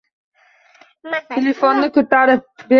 Telefonni koʻtarib